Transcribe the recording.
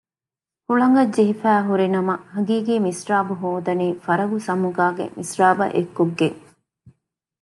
ހުޅަނގަށް ޖެހިފައި ހުރި ނަމަ ހަގީގީ މިސްރާބު ހޯދަނީ ފަރަގު ސަމުގާގެ މިސްރާބަށް އެއްކޮށްގެން